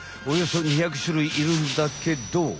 およそ２００種類いるんだけど。